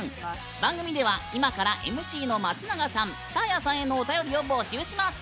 番組では今からＭＣの松永さんサーヤさんへのおたよりを募集します。